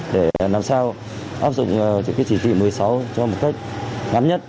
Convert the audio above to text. để làm sao áp dụng chỉ thị một mươi sáu ct cho một cách ngắn nhất